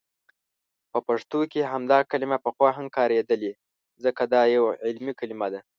په پښتو کې همدا کلمه پخوا هم کاریدلي، ځکه دا یو علمي کلمه ده.